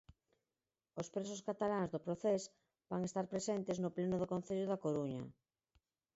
Os presos cataláns do Procés van estar presentes no pleno do Concello da Coruña.